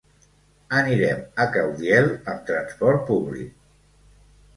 Anirem a Caudiel amb transport públic.